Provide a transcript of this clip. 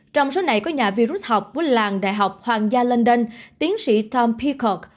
trong số này có nhà vi rút học của làng đại học hoàng gia london tiến sĩ tom peacock